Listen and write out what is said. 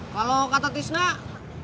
kalau kata tisnak